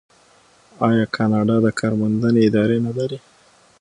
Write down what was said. آیا کاناډا د کار موندنې ادارې نلري؟